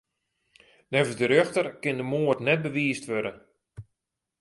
Neffens de rjochter kin de moard net bewiisd wurde.